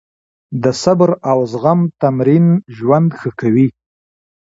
د صبر او زغم تمرین ژوند ښه کوي.